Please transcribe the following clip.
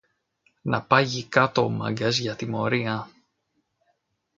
Να πάγει κάτω ο Μάγκας για τιμωρία